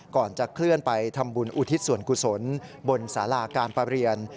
ก่อนจะเคลื่อนไปทำบุญอุทิศส่วนกุศลบนสาราการประเรียน